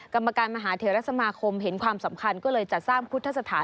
กรรมการมหาเทรสมาคมเห็นความสำคัญก็เลยจัดสร้างพุทธสถาน